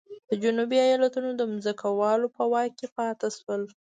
د جنوبي ایالتونو ځمکوالو په واک کې پاتې شول.